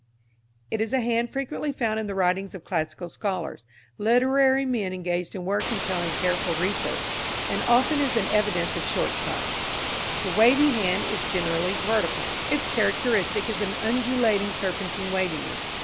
It is a hand frequently found in the writings of classical scholars, literary men engaged in work entailing careful research, and often is an evidence of short sight. The Wavy Hand is generally vertical. Its characteristic is an undulating serpentine waviness.